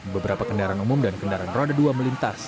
beberapa kendaraan umum dan kendaraan roda dua melintas